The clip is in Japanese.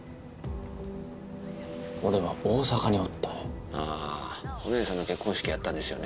俺は大阪におったんやあお姉さんの結婚式やったんですよね